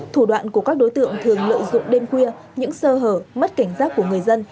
thủ đoạn của các đối tượng thường lợi dụng đêm khuya những sơ hở mất cảnh giác của người dân